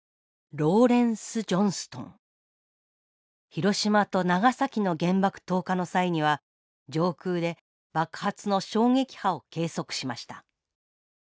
広島と長崎の原爆投下の際には上空で爆発の衝撃波を計測しました。